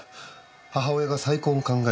母親が再婚を考え